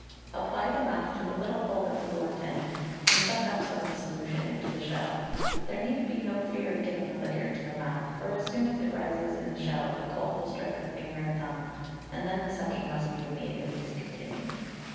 Apply the mouth to the little hole at the blunt end, and suck up some of the solution into the shell. There need be no fear of getting the liquor into the mouth, for as soon as it rises in the shell the cold will strike the finger and thumb, and then the sucking must be immediately discontinued.